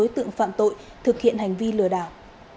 đối tượng phạm tội thực hiện hành vi lừa đảo